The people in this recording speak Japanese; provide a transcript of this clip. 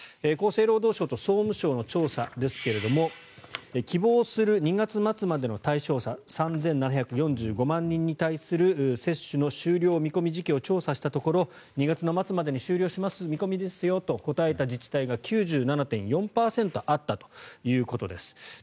厚生労働省と総務省の調査ですが希望する２月末までの対象者３７４５万人に対する接種の終了見込み時期を調査したところ２月末までに終了する見込みですよと答えた自治体が９７．４％あったということです。